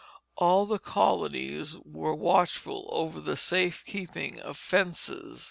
All the colonies were watchful over the safe keeping of fences.